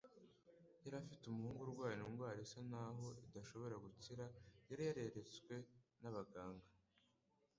yari afite umuhungu urwaye indwara isa naho idashobora gukira, yari yararetswe n'abaganga.